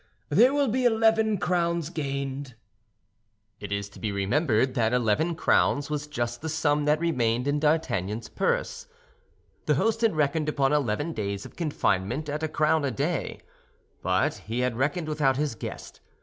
There will be eleven crowns gained." It is to be remembered that eleven crowns was just the sum that remained in D'Artagnan's purse. The host had reckoned upon eleven days of confinement at a crown a day, but he had reckoned without his guest.